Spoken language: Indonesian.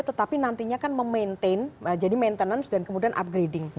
tetapi nantinya kan memaintain jadi maintenance dan kemudian upgrading